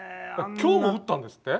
今日も打ったんですって。